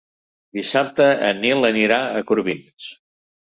Dissabte en Nil anirà a Corbins.